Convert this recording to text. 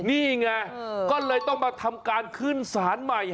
นี่ไงก็เลยต้องมาทำการขึ้นศาลใหม่